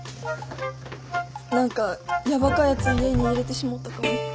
何かヤバかやつ家に入れてしもうたかも。